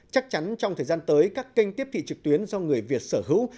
chắc chắn trong thời gian tới các kênh tiếp thị trực tuyến do người việt sở hữu